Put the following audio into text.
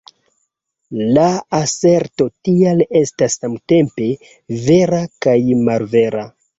La aserto tial estas samtempe vera kaj malvera”.